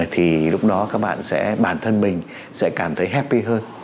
thì lúc đó các bạn sẽ bản thân mình sẽ cảm thấy happy hơn